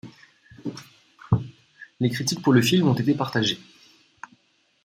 Les critiques pour le film ont été partagées.